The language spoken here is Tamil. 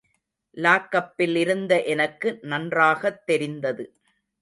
லாக்கப்பில் இருந்த எனக்கு நன்றாகத் தெரிந்தது.